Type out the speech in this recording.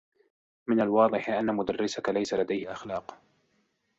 من الواضح أنّ مدرّسك ليس لديه أخلاق.